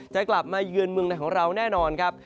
กลับมาเยือนเมืองในของเราแน่นอนครับ